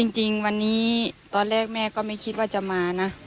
จริงวันนี้ตอนแรกแม่ก็ไม่คิดว่าจะมานะ